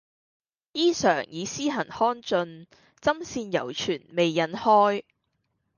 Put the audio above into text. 衣裳已施行看盡，針線猶存未忍開。